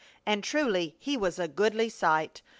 And truly he was a goodly sight.